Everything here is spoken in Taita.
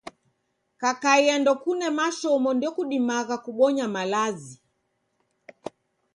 Kakai ndokune mashomo, ndokudumagha kubonya malazi.